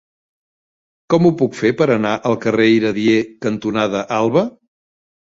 Com ho puc fer per anar al carrer Iradier cantonada Alba?